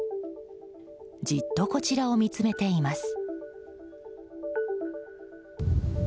じっとこちらを見つめています。